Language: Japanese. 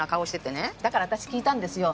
だから私訊いたんですよ。